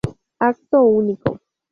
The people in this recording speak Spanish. Acto Único